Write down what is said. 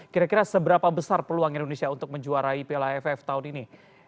kira kira seberapa besar peluang indonesia untuk menjuarai piala aff tahun ini